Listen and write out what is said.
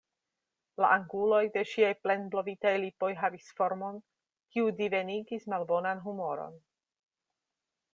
La anguloj de ŝiaj plenblovitaj lipoj havis formon, kiu divenigis malbonan humoron.